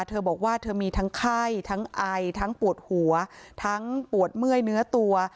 เธอบอกว่าเธอมีทั้งไข้ทั้งไอทั้งปวดหัวทั้งปวดเมื่อยเนื้อตัว